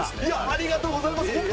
ありがとうございます。